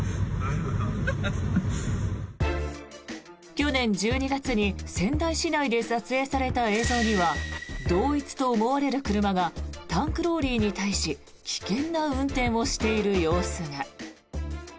去年１２月に仙台市内で撮影された映像には同一と思われる車がタンクローリーに対し危険な運転をしている様子が。